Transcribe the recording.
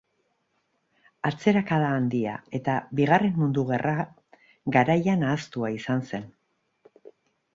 Atzerakada Handia eta Bigarren Mundu Gerra garaian ahaztua izan zen.